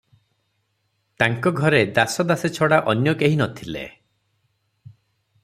ତାଙ୍କ ଘରେ ଦାସ ଦାସୀ ଛଡ଼ା ଅନ୍ୟ କେହି ନ ଥିଲେ ।